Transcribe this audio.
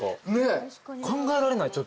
考えられないちょっと。